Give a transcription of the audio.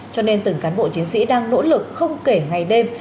cho nên từng cán bộ chiến sĩ đang nỗ lực không kể ngày đêm